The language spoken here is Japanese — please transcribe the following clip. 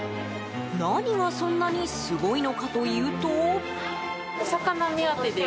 何がそんなにすごいのかというと。